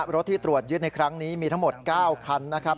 รถที่ตรวจยึดในครั้งนี้มีทั้งหมด๙คันนะครับ